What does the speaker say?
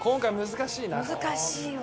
難しいわ。